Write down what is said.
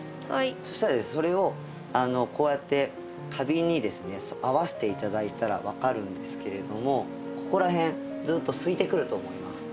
そしたらそれをこうやって花瓶にですね合わせて頂いたら分かるんですけれどもここら辺ずっとすいてくると思います。